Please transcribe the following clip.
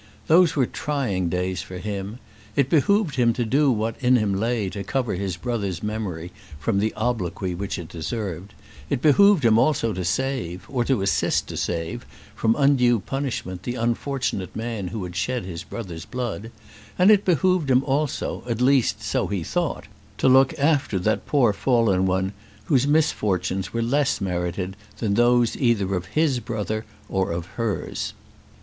Those were trying days for him. It behoved him to do what in him lay to cover his brother's memory from the obloquy which it deserved; it behoved him also to save, or to assist to save, from undue punishment the unfortunate man who had shed his brother's blood; and it behoved him also, at least so he thought, to look after that poor fallen one whose misfortunes were less merited than those either of his brother or of hers.